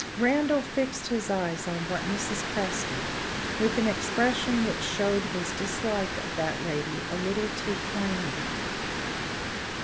Randal fixed his eyes on Mrs. Presty, with an expression which showed his dislike of that lady a little too plainly.